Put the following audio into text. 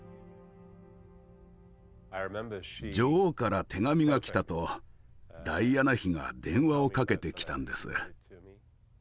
「女王から手紙が来た」とダイアナ妃が電話をかけてきたんです。